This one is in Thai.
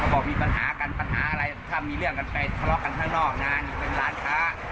บอกมีปัญหากันปัญหาอะไรถ้ามีเรื่องกันไปทะเลาะกันข้างนอกนะเป็นร้านค้า